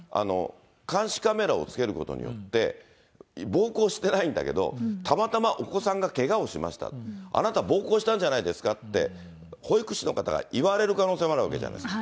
監視カメラをつけることによって、暴行してないんだけど、たまたまお子さんがけがをしました、あなた、暴行したんじゃないですかって、保育士の方が言われる可能性もあるわけじゃないですか。